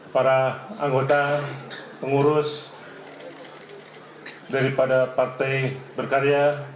para anggota pengurus daripada partai berkarya